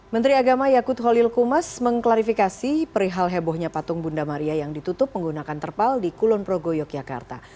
menteri agama yakut holil kumas mengklarifikasi perihal hebohnya patung bunda maria yang ditutup menggunakan terpal di kulon progo yogyakarta